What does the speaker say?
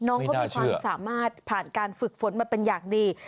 น้องเขามีความสามารถผ่านการฝึกฝนมาเป็นอย่างดี